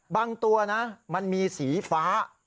ตัวนะมันมีสีฟ้า